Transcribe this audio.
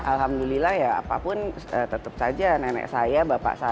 alhamdulillah ya apapun tetap saja nenek saya bapak saya